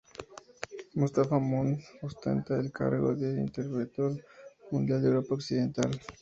Mustafá Mond ostenta el cargo de interventor mundial de Europa Occidental.